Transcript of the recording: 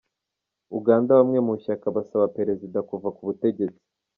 Uganda Bamwe mu ishyaka basaba Perezida kuva ku butegetsi